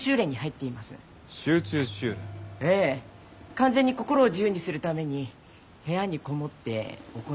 完全に心を自由にするために部屋に籠もって行う修行です。